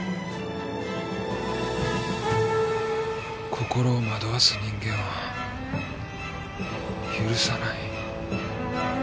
心を惑わす人間は許さない。